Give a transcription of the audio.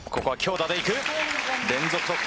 ここは強打でいく。